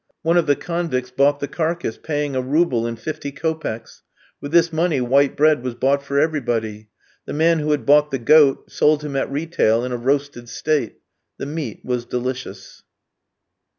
One of the convicts bought the carcase, paying a rouble and fifty kopecks. With this money white bread was bought for everybody. The man who had bought the goat sold him at retail in a roasted state. The meat was delicious.